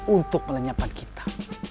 untuk melenyapkan kita